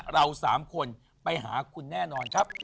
เรา๓คนไปหาคุณแน่นอนครับ